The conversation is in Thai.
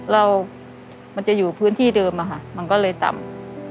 มันจะอยู่พื้นที่เดิมอะค่ะมันก็เลยต่ำ